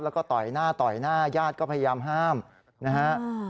แล้วก็ต่อยหน้าต่อยหน้าญาติก็พยายามห้ามนะฮะ